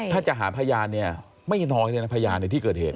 ถ้าจะหาพยานเนี่ยไม่น้อยเลยนะพยานในที่เกิดเหตุ